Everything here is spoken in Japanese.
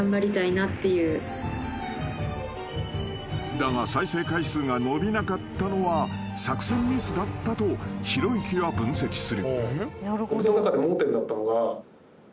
［だが再生回数が伸びなかったのは作戦ミスだったとひろゆきは分析する］